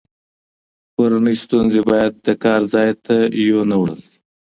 کورنۍ ستونزې باید د کار ځای ته ونه وړل شي.